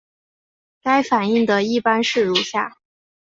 该反应的一般式如下。